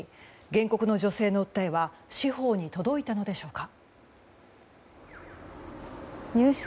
原告の女性の訴えは司法に届いたのでしょうか。